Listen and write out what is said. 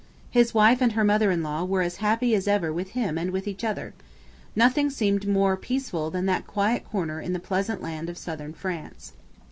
His wife and her mother in law were as happy as ever with him and with each other. Nothing seemed more peaceful than that quiet corner in the pleasant land of southern France.